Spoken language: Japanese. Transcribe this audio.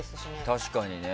確かにね。